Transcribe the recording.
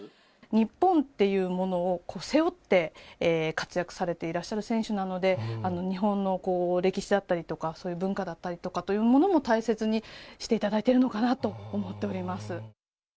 日本っていうものを背負って活躍されていらっしゃる選手なので、日本の歴史だったりとか、そういう文化だったりとかいうものも、大切にしていただいているのかなと思っております。